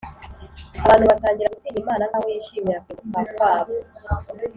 . Abantu batangira gutinya Imana nkaho yishimira kurimbuka kwabo